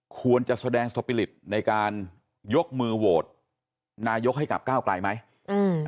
ควรจะแสดงสปิริตในการยกมือโหวตนายกให้กับก้าวไกลไหมอืม